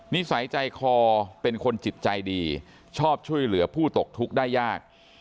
นิสัยใจคอเป็นคนจิตใจดีชอบช่วยเหลือผู้ตกทุกข์ได้ยาก